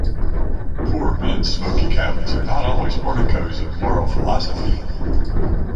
Poor men's smoky cabins are not always porticoes of moral philosophy.